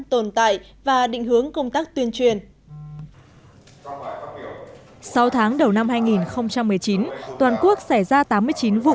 tồn tại và định hướng công tác tuyên truyền sau tháng đầu năm hai nghìn một mươi chín toàn quốc xảy ra tám mươi chín vụ